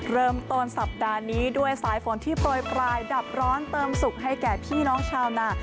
เริ่มต้นสัปดาห์นี้ด้วยสายฝนที่โปรยปลายดับร้อนเติมสุขให้แก่พี่น้องชาวนา